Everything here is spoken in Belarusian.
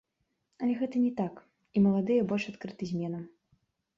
Але гэта не так, і маладыя больш адкрыты зменам.